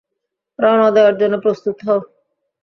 রওনা দেওয়ার জন্য প্রস্তুত হও!